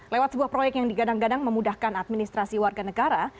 lewat sebuah proyek yang digadang gadang memudahkan administrasi warga negara